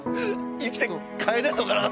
生きて帰れんのかなって。